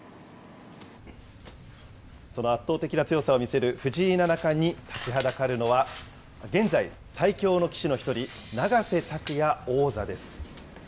その圧倒的な強さを見せる藤井七冠に立ちはだかるのは、現在、最強の棋士の１人、永瀬拓矢王座です。